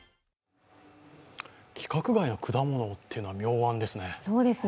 規格外の果物というのは妙案ですね。